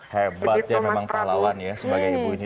hebat ya memang pahlawan ya sebagai ibu ini